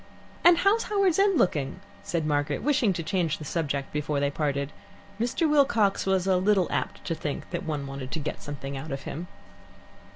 "And how's Howards End looking?" said Margaret, wishing to change the subject before they parted. Mr. Wilcox was a little apt to think one wanted to get something out of him.